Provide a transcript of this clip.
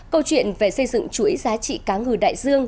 câu chuyện về xây dựng chuỗi giá trị cá ngừ đại dương